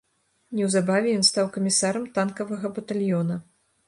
Неўзабаве ён стаў камісарам танкавага батальёна.